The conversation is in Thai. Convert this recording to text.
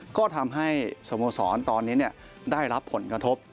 ก็ทำให้สโมสรตอนนี้ได้รับผลกระทบ